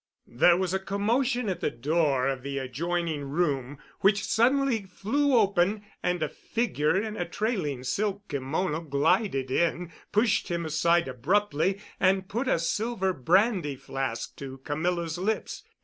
There was a commotion at the door of the adjoining room, which suddenly flew open, and a figure in a trailing silk kimono glided in, pushed him aside abruptly, and put a silver brandy flask to Camilla's lips.